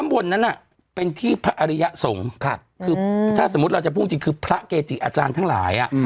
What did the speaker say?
บนนั้นเป็นที่พระอริยสงฆ์คือถ้าสมมุติเราจะพูดจริงคือพระเกจิอาจารย์ทั้งหลาย